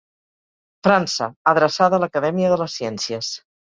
França, adreçada a l'Acadèmia de les Ciències.